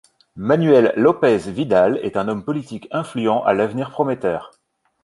Manuel López Vidal est un homme politique influent à l'avenir prometteur.